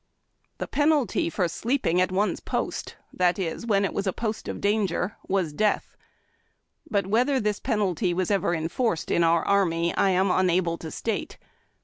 The penalty for sleeping at one's post, that is, when it was a post of danger, was death ; but whether this penalty was ever enforced in our army I am unable to state.